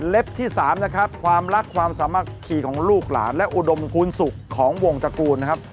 ที่๓นะครับความรักความสามัคคีของลูกหลานและอุดมกูลสุขของวงตระกูลนะครับ